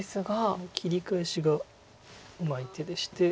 この切り返しがうまい手でして。